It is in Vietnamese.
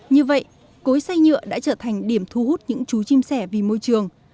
như vậy cối say nhựa đã trở thành điểm thu hút những chú chim sẻ vì môi trường